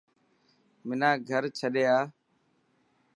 منا گھر ڇڏي آ.